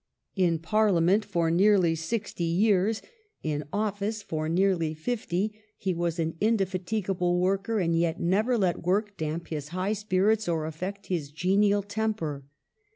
In Parliament for nearly sixty years, in office for nearly fifty, he was an indefatigable worker, and yet never let work damp his high spirits or affect his genial temper.